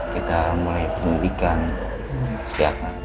kita mulai menyelidikan setiap hari